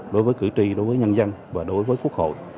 đối với cử tri đối với nhân dân và đối với quốc hội